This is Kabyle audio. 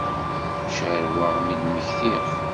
Ccarweɣ mi d-mmektiɣ.